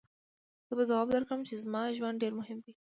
زه به ځواب درکړم چې زما ژوند ډېر مهم دی.